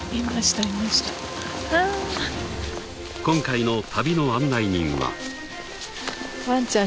［今回の旅の案内人は］